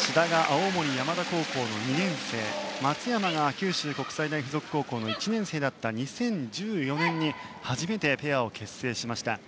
志田が青森山田高校の２年生松山が九州国際大付属高校の１年生だった２０１４年に初めてペアを結成しました。